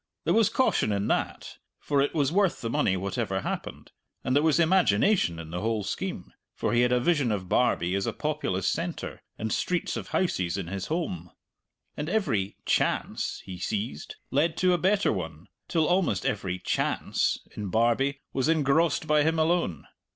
There was caution in that, for it was worth the money whatever happened; and there was imagination in the whole scheme, for he had a vision of Barbie as a populous centre and streets of houses in his holm). And every "chance" he seized led to a better one, till almost every "chance" in Barbie was engrossed by him alone.